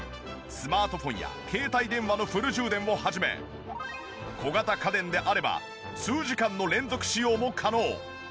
スマートフォンや携帯電話のフル充電を始め小型家電であれば数時間の連続使用も可能！